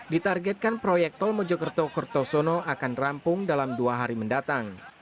ditargetkan proyek tol mojokerto kertosono akan rampung dalam dua hari mendatang